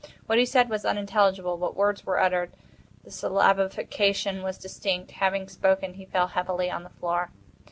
What he said was unintelligible, but words were uttered; the syllabification was distinct. Having spoken, he fell heavily to the floor.